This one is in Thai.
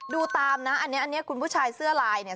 ดูตามนะอันนี้คุณผู้ชายเสื้อลายเนี่ย